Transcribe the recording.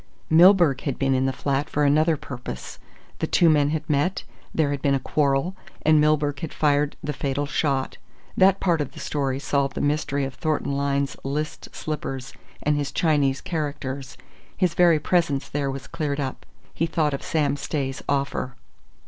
Milburgh had been in the flat for another purpose. The two men had met; there had been a quarrel; and Milburgh had fired the fatal shot. That part of the story solved the mystery of Thornton Lyne's list slippers and his Chinese characters; his very presence there was cleared up. He thought of Sam Stay's offer.